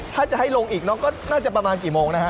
ถ้าจะให้ลงอีกน้องก็น่าจะประมาณกี่โมงนะฮะ